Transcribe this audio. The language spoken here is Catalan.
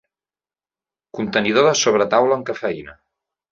Contenidor de sobretaula amb cafeïna.